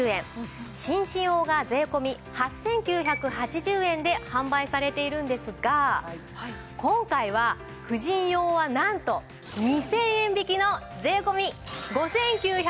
紳士用が税込８９８０円で販売されているんですが今回は婦人用はなんと２０００円引きの税込５９８０円！